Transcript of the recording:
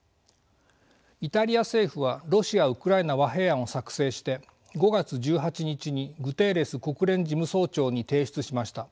イタリア政府はロシア・ウクライナ和平案を作成して５月１８日にグテーレス国連事務総長に提出しました。